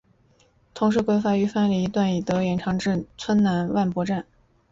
同时规划番禺区内一段亦得以延长至南村万博站。